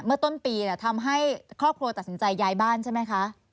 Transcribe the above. ต้นปีทำให้ครอบครัวตัดสินใจย้ายบ้านใช่ไหมคะ